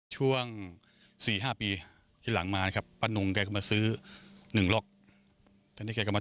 ช่วง๔๕ปีทีหลังมาปั่นหรงมาซื้อ๑ล็อค